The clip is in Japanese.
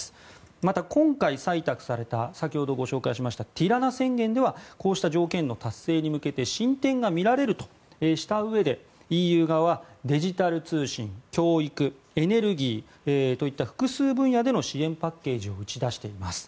また、今回採択された先ほどご紹介しましたティラナ宣言ではこうした条件の達成に向けて進展がみられるとしたうえでＥＵ側はデジタル通信、教育エネルギーといった複数分野での支援パッケージを打ち出しています。